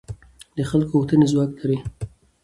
د خلکو غوښتنې ځواک لري